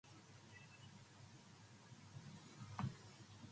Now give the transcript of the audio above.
The Flores giant rat has been recorded in Rutong Protection Forest.